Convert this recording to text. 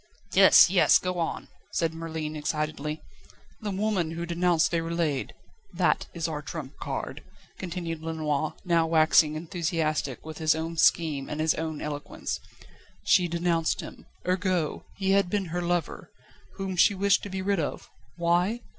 "Yes! Yes! Go on!" said Merlin excitedly. "The woman who denounced Déroulède that is our trump card," continued Lenoir, now waxing enthusiastic with his own scheme and his own eloquence. "She denounced him. Ergo, he had been her lover, whom she wished to be rid of why?